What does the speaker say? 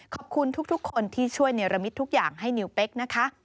ขอบคุณทุกคนที่ช่วยเนรมิตทุกอย่างให้นิวเป๊กนะคะ